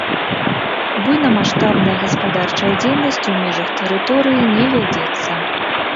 Буйнамаштабная гаспадарчая дзейнасць у межах тэрыторыі не вядзецца.